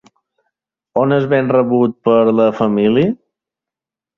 On és ben rebut per la família?